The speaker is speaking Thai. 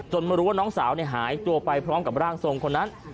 มารู้ว่าน้องสาวหายตัวไปพร้อมกับร่างทรงคนนั้น